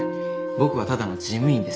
僕はただの事務員です。